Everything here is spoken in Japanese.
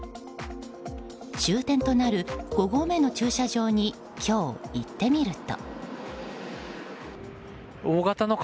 終点となる５合目の駐車場に今日行ってみると。